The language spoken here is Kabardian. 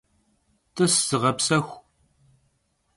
T'ıs, zığepsexu.